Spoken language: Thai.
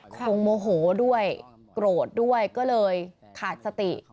คงโมโหด้วยโกรธด้วยก็เลยขาดสติ